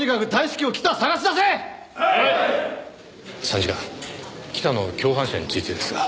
参事官北の共犯者についてですが。